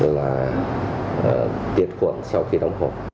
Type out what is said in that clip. là tiệt cuộn sau khi đóng hộp